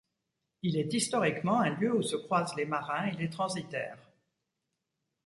Il est historiquement un lieu où se croisent les marins et les transitaires.